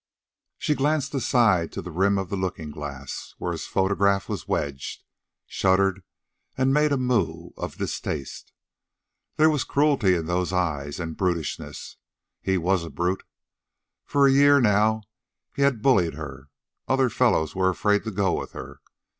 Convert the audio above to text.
She glanced aside to the rim of the looking glass where his photograph was wedged, shuddered, and made a moue of distaste. There was cruelty in those eyes, and brutishness. He was a brute. For a year, now, he had bullied her. Other fellows were afraid to go with her.